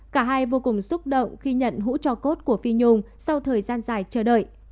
cả hai vô cùng xúc động khi nhận hũ cho cốt của phi nhung sau thời gian dài chờ đợi